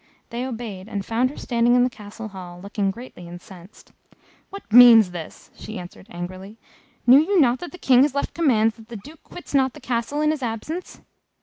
They obeyed, and found her standing in the Castle hall, looking greatly incensed. "What means this?" she asked, angrily. "Knew you not that the King has left commands that the Duke quits not the Castle in his absence?"